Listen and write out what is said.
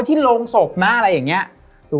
ที่โรงสพนะที่ส่องไปตรงนั้น